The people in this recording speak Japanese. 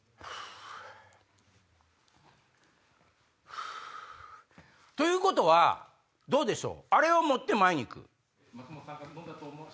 フゥ。ということはどうでしょう？